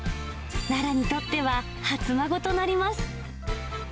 ララにとっては初孫となります。